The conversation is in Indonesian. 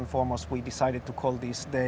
kami memutuskan untuk menyebutkan hari ini